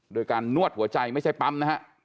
ด้วยการเนวดหัวใจไม่ใช่พัมป์นะฮะ